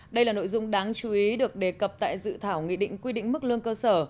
đây là nội dung đáng chú ý được đề cập tại dự thảo nghị định quy định mức lương cơ sở